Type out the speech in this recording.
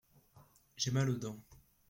J’ai mal aux dents.